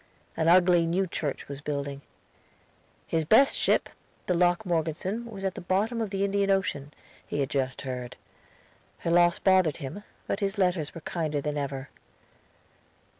An ugly new church was building. His best ship, the Locke Morgeson, was at the bottom of the Indian Ocean, he had just heard. Her loss bothered him, but his letters were kinder than ever.